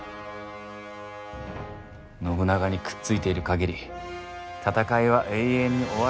信長にくっついている限り戦いは永遠に終わらん無間地獄じゃ！